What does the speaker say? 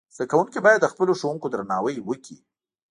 زدهکوونکي باید د خپلو ښوونکو درناوی وکړي.